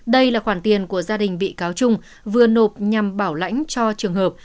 đây là khoản tiền của gia đình bị cáo trung vừa nộp nhằm bảo lãnh cho trường hợp